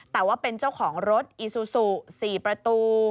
แต่ว่าเป็นเจ้าของรถอีซูซู๔ประตู